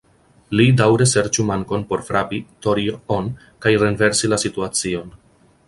Li daŭre serĉu mankon por frapi "tori"-on, kaj renversi la situacion.